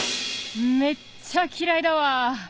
めっちゃ嫌いだわ！